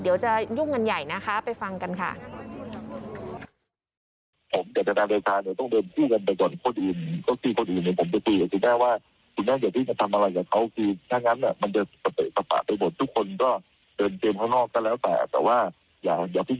เดี๋ยวจะยุ่งกันใหญ่นะคะไปฟังกันค่ะ